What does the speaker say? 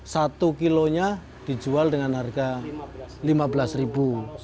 satu kilonya dijual dengan harga rp lima belas